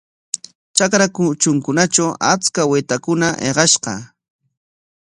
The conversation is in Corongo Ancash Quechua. Trakra kutrunkunatraw achka waytakuna hiqashqa.